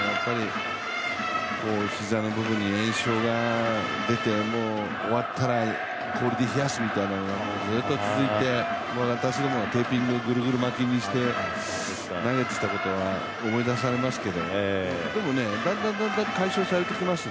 膝の部分に炎症が出て終わったら氷で冷やすみたいなのがずっと続いて私どもはテーピングぐるぐる巻きにしていたことを思い出すんですけどでも、だんだん解消されてきます。